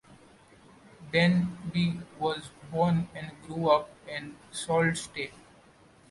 Danby was born and grew up in Sault Ste.